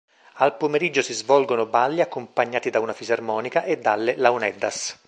Al pomeriggio si svolgono balli accompagnati da una fisarmonica e dalle launeddas.